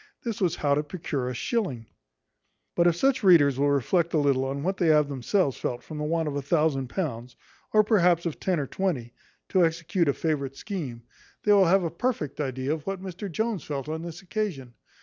This was how to procure a shilling; but if such readers will reflect a little on what they have themselves felt from the want of a thousand pounds, or, perhaps, of ten or twenty, to execute a favourite scheme, they will have a perfect idea of what Mr Jones felt on this occasion.